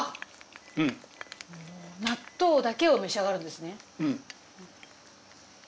うん納豆だけを召し上がるんですね？